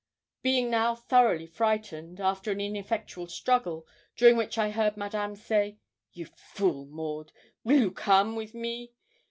Being now thoroughly frightened, after an ineffectual struggle, during which I heard Madame say, 'You fool, Maud, weel you come with me?